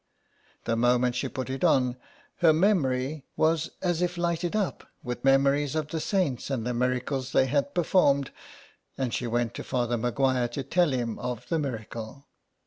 The moment she put it on her memory was as if lighted up with memories of the saints and the miracles they had performed, and she went to Father Maguire to tell him of the miracle.